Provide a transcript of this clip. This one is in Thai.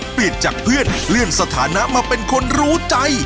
เปลี่ยนจากเพื่อนเลื่อนสถานะมาเป็นคนรู้ใจ